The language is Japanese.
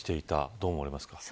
どう思われますか。